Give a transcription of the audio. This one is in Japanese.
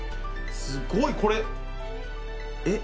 すごいこれえっ？